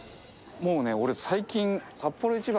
もうね俺最近。